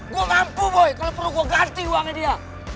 gua mampu boy kalo perlu gua ganti uangnya dia